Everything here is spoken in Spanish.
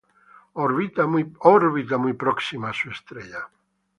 Orbita muy próximo a su estrella.